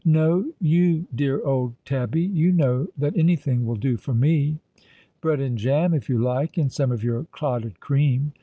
"No, you dear old Tabbie; you know that anything will do for me. Bread and jam, if you like, and some of your clotted cream.